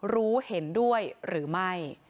รู้เห็นด้วยหรือไม่